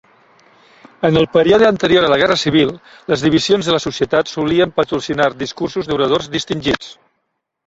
En el període anterior a la Guerra Civil, les divisions de la societat solien patrocinar discursos d'oradors distingits.